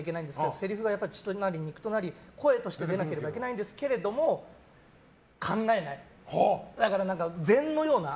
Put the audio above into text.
せりふなり、動きなり声として出なければいけないんですけれども考えない。